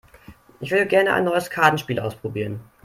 Ich würde gerne ein neues Kartenspiel ausprobieren.